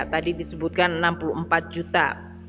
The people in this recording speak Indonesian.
tadi disebutkan enam puluh empat juta